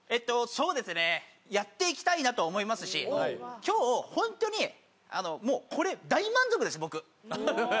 そうですねやっていきたいなと思いますし今日本当にもうこれ大満足です僕。